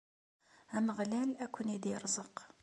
Ameɣlal a ken-id-irẓeq.